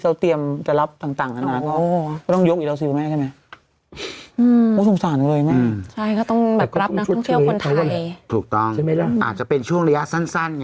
อาจจะเป็นช่วงระยะสั้นไง